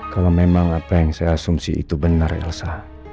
kalau memang apa yang saya asumsi itu benar elsa